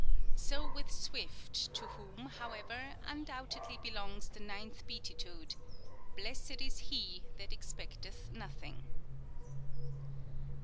So with Swift, to whom, however, undoubtedly belongs the ninth beati tude, " Blessed is he that expecteth nothing."